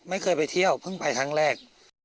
ไม่เคยไปเที่ยวเพิ่งไปครั้งแรก